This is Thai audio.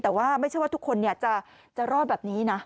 แต่ว่าไม่ใช่ว่าทุกคนจะรอดแบบนี้นะ